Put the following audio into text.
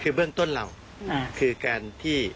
คือเบื้องต้นเราคือการที่